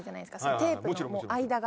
テープの間が。